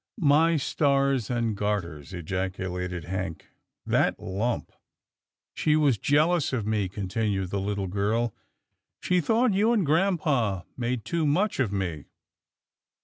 " My stars and garters !" ejaculated Hank, " that lump!" " She was jealous of me," continued the little girl. " She thought you and grampa made too much of me."